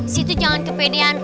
situ jangan kepedean